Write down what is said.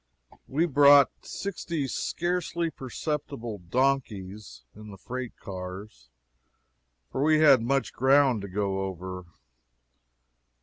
We brought sixty scarcely perceptible donkeys in the freight cars, for we had much ground to go over.